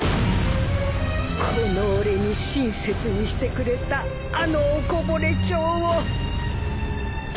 この俺に親切にしてくれたあのおこぼれ町を